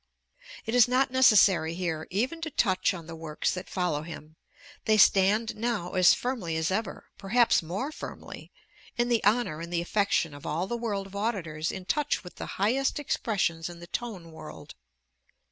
It is not necessary here even to touch on the works that follow him. They stand now as firmly as ever perhaps more firmly in the honor and the affection of all the world of auditors in touch with the highest expressions in the tone world.